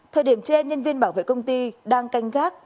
thời điểm trên nhân viên bảo vệ công ty đang canh gác